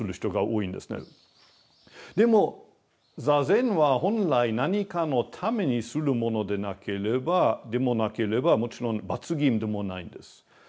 でも坐禅は本来何かのためにするものでもなければもちろん罰ゲームでもないんです。